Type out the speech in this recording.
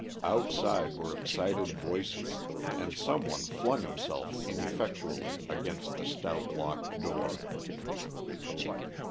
Outside were excited voices, and some one flung himself ineffectually against the stout locked door.